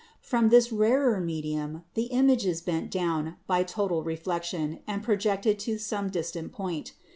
From this rarer medium the image is bent down by total reflection and projected to some distant point.